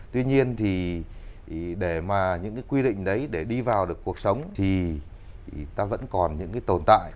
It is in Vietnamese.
tuy nhiên thì để mà những cái quy định đấy để đi vào được cuộc sống thì ta vẫn còn những cái tồn tại